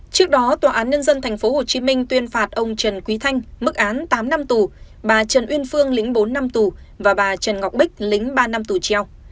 trước đó tòa án nhân dân tp hcm tuyên phạt ông trần quý thanh mức án tám năm tù bà trần uyên phương lĩnh bốn năm tù và bà trần ngọc bích lĩnh ba năm tù treo